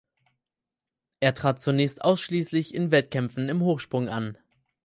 Er trat zunächst ausschließlich in Wettkämpfen im Hochsprung an.